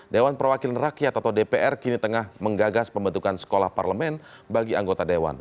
dewan perwakilan rakyat atau dpr kini tengah menggagas pembentukan sekolah parlemen bagi anggota dewan